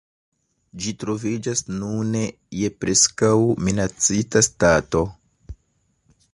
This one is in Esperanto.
Ĝi troviĝas nune je preskaŭ-minacita stato.